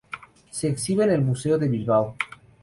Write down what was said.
Se exhibe en el Museo Vasco de Bilbao.